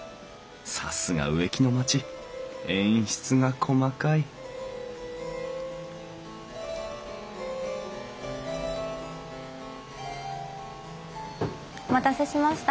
さすが植木の町演出が細かいお待たせしました。